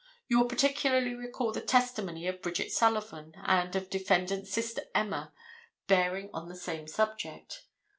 You will particularly recall the testimony of Bridget Sullivan and of defendant's sister Emma bearing on the same subject.